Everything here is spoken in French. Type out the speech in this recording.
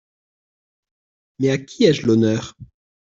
Mais à qui ai-je l’honneur ?